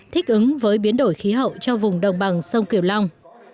thích ứng với biến đổi khí hậu cho vùng đồng bằng sông kiều long